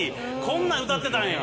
こんなん歌ってたんや。